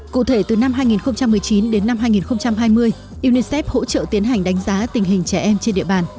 cụ thể từ năm hai nghìn một mươi chín đến năm hai nghìn hai mươi unicef hỗ trợ tiến hành đánh giá tình hình trẻ em trên địa bàn